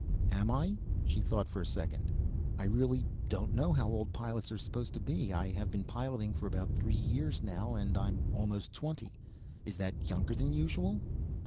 "Am I?" She thought for a second. "I really don't know how old pilots are supposed to be. I have been piloting for about three years now and I'm almost twenty. Is that younger than usual?"